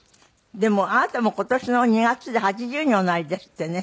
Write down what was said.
でもあなたも今年の２月で８０におなりですってね。